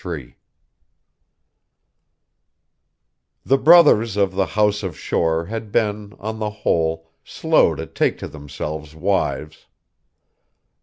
III The brothers of the House of Shore had been, on the whole, slow to take to themselves wives.